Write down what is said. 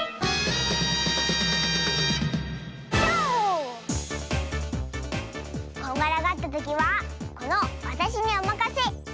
とう！こんがらがったときはこのわたしにおまかせ。